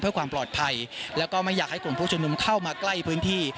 เพื่อความปลอดภัยแล้วก็ไม่อยากให้กลุ่มผู้ชมนุมเข้ามาใกล้พื้นที่